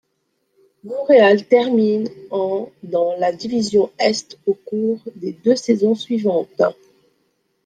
Montréal termine en dans la division Est au cours des deux saisons suivantes.